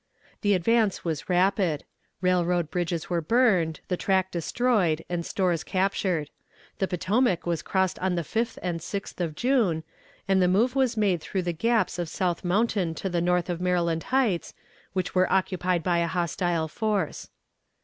The advance was rapid. Railroad bridges were burned, the track destroyed, and stores captured. The Potomac was crossed on the 5th and 6th of June, and the move was made through the gaps of South Mountain to the north of Maryland Heights, which were occupied by a hostile force.